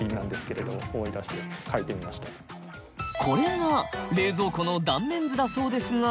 これが冷蔵庫の断面図だそうです